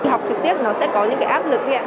học trực tiếp nó sẽ có những cái áp lực